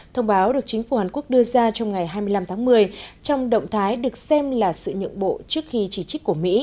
thông báo được chính phủ hàn quốc đưa ra trong ngày hai mươi năm tháng một mươi trong động thái được xem là sự nhượng bộ trước khi chỉ trích của mỹ